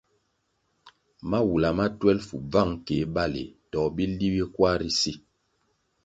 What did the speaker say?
Mawula ma twelfu, bvang keh baleh to bili bi kwar ri si.